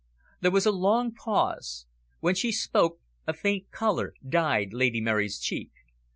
There was a long pause. When she spoke, a faint colour dyed Lady Mary's cheek.